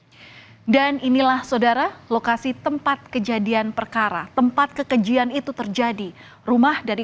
hai dan inilah saudara lokasi tempat kejadian perkara tempat kekejian itu terjadi rumah dari